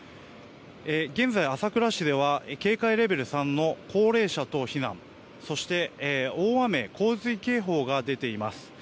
現在、朝倉市では警戒レベル３の高齢者等避難そして、大雨・洪水警報が出ています。